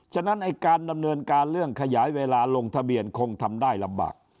ฉะนั้นไอ้การดำเนินการเรื่องขยายเวลาลงทะเบียนคงทำได้ลำบาก